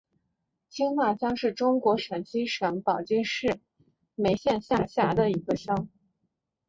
青化乡是中国陕西省宝鸡市眉县下辖的一个乡。